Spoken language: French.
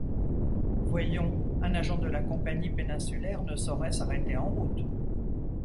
Voyons! un agent de la Compagnie péninsulaire ne saurait s’arrêter en route !